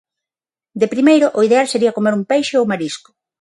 De primeiro, o ideal sería comer un peixe ou marisco.